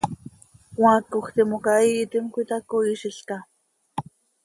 ¿Cmaacoj timoca iiitim cöitacoiizilca?